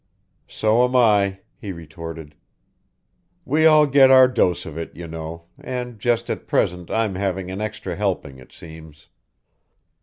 "So am I," he retorted. "We all get our dose of it, you know, and just at present I'm having an extra helping, it seems.